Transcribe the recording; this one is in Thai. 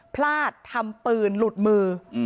พลาดทำปืนหลุดมือ